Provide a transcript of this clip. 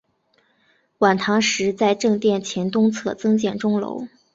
晚唐时在正殿前东侧增建钟楼。